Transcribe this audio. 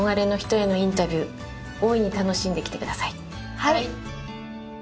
はい！